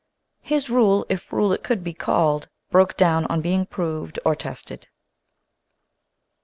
His rule, if rule it could be called, broke down on being proved or tested.